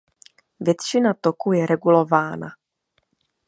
Většina toku je regulována.